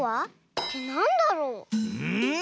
ってなんだろう？